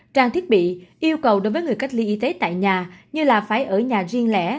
trang thiết bị yêu cầu đối với người cách ly y tế tại nhà như là phải ở nhà riêng lẻ